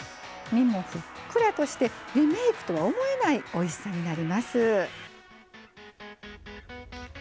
身もふっくらとしてリメイクとは思えないおいしさになります。